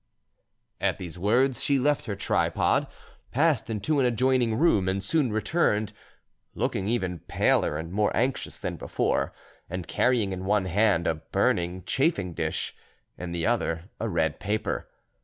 At these words, she left her tripod, passed into an adjoining room, and soon returned, looking even paler and more anxious than before, and carrying in one hand a burning chafing dish, in the other a red paper.